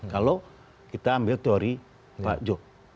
kalau kita ambil teori pak jo